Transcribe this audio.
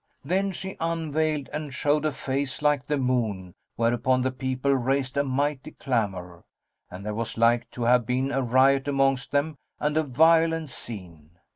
Then she unveiled and showed a face like the moon whereupon the people raised a mighty clamour and there was like to have been a riot amongst them and a violent scene.